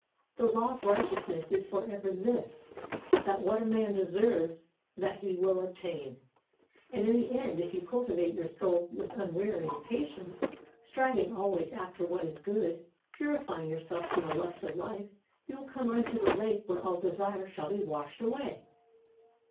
The law of righteousness is for ever this, that what a man deserves that he will obtain. And in the end, if you cultivate your soul with unwearying patience, striving always after what is good, purifying yourself from the lust of life, you will come unto that lake where all desire shall be washed away.